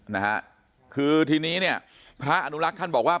นะฮะคือทีนี้เนี่ยพระอนุรักษ์ท่านบอกว่า